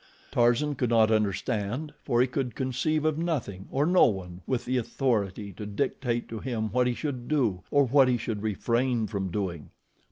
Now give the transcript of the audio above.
Tarzan could not understand, for he could conceive of nothing, or no one, with the authority to dictate to him what he should do, or what he should refrain from doing.